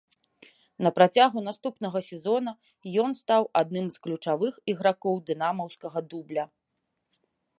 На працягу наступнага сезона ён стаў адным з ключавых ігракоў дынамаўскага дубля.